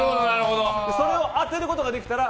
それを当てることができれば。